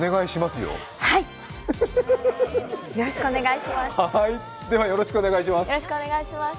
よろしくお願いします。